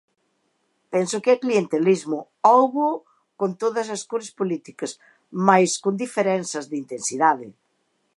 Penso que clientelismo hóuboo con todas as cores políticas, mais con diferenzas de intensidade.